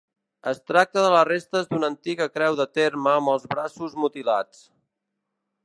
Es tracta de les restes d'una antiga creu de terme amb els braços mutilats.